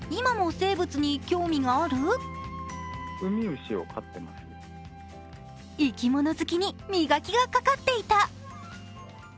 生き物好きに磨きがかかっていた。